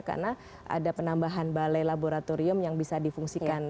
karena ada penambahan balai laboratorium yang bisa difungsikan